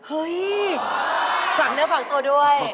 เฮ้ยฝากเนื้อฝากตัวด้วย